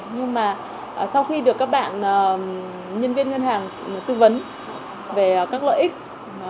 nhưng mà sau khi được các bạn nhân viên ngân hàng tư vấn về các lợi ích